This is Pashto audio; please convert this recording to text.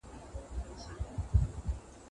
آیا په پښتو ژبه کي علمي کتابونه پيدا کيږي؟